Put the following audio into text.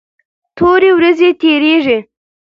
تورې ورېځې تیریږي.